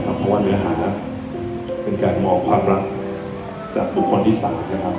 เพราะว่าเนื้อหาเป็นการมองความรักจากบุคคลที่๓นะครับ